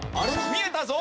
見えたぞ。